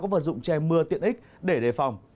vật dụng che mưa tiện ích để đề phòng